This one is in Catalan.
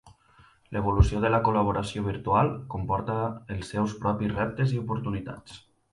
L'evolució de la col·laboració virtual comporta els seus propis reptes i oportunitats.